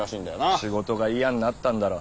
仕事が嫌になったんだろう。